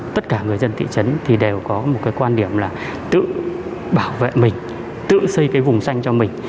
tất cả người dân thị trấn thì đều có một cái quan điểm là tự bảo vệ mình tự xây cái vùng xanh cho mình